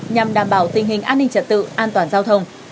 nhằm đảm bảo tình hình an ninh trật tự an toàn giao thông